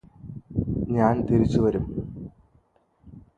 ഞാന് തിരിച്ചു വരും